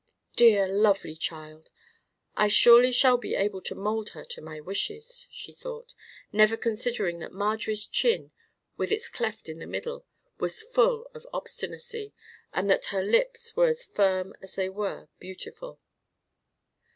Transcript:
"Dear, lovely child, I surely shall be able to mold her to my wishes," she thought; never considering that Marjorie's chin, with its cleft in the middle, was full of obstinacy, and that her lips were as firm as they were beautiful.